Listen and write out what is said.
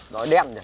đói đẹp nhỉ